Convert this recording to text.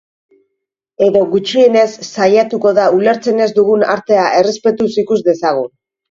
Edo, gutxienez, saiatuko da ulertzen ez dugun artea errespetuz ikus dezagun.